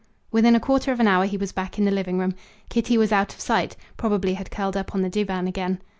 Within a quarter of an hour he was back in the living room. Kitty was out of sight; probably had curled up on the divan again.